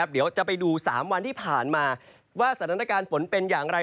เดี๋ยวจะไปดู๓วันที่ผ่านมาว่าสถานการณ์ฝนเป็นอย่างไร